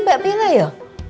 mbak bela ya